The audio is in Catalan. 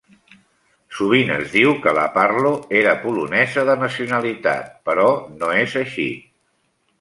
Sovint es diu que la Parlo era polonesa de nacionalitat, però no és així.